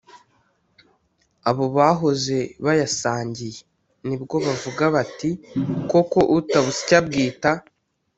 abo bahoze bayasangiye; ni bwo bavuga bati: “Koko utabusya abwita